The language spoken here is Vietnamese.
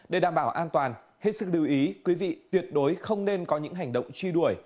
để đảm bảo an toàn hết sức lưu ý quý vị tuyệt đối không nên có những hành động truy đuổi